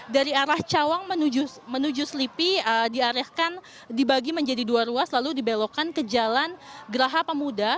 dari arah cawang menuju selipi diarahkan dibagi menjadi dua ruas lalu dibelokkan ke jalan geraha pemuda